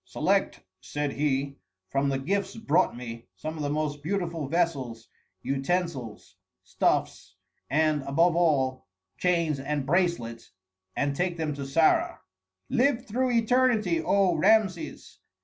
"Select," said he, "from the gifts brought me, some of the most beautiful vessels, utensils, stuffs, and, above all, chains and bracelets, and take them to Sarah." "Live through eternity, O Rameses!"